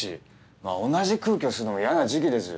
まあ同じ空気を吸うのも嫌な時期ですよ。